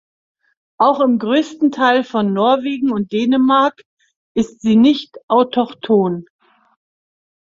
Auch im größten Teil von Norwegen und Dänemark ist sie nicht autochthon.